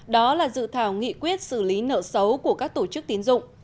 đó là dự thảo nghị quyết xử lý nợ xấu của các tổ chức tiến dụng